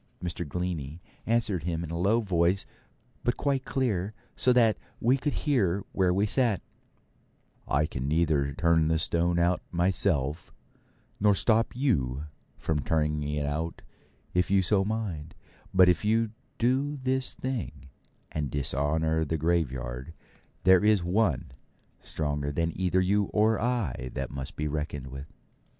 Mr. Glennie answered him in a low voice, but quite clear, so that we could hear where we sat: 'I can neither turn the stone out myself, nor stop you from turning it out if you so mind; but if you do this thing, and dishonour the graveyard, there is One stronger than either you or I that must be reckoned with.'